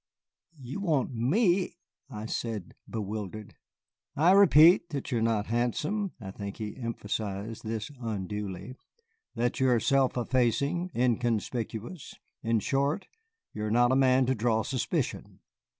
"You want me " I said, bewildered. "I repeat that you are not handsome," I think he emphasized this unduly, "that you are self effacing, inconspicuous; in short, you are not a man to draw suspicion.